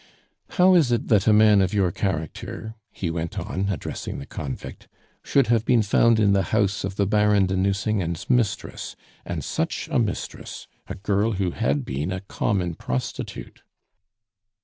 "How is it that a man of your character," he went on, addressing the convict, "should have been found in the house of the Baron de Nucingen's mistress and such a mistress, a girl who had been a common prostitute!"